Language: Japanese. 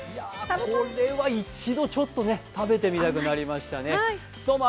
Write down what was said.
これは一度ちょっと食べてみたくなりましたね。